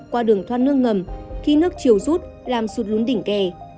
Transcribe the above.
qua đường thoát nước ngầm khi nước chiều rút làm sụt lún đỉnh kè